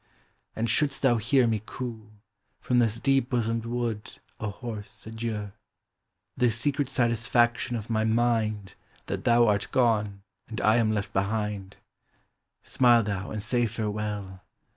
â and sliould'st tliou hear me coo, From this deep bosomed wood, a hoarse adieu â The secret satisfaction of my mind, Tliat thou art gone, and I am left behind â Smile thou, and say Farewell!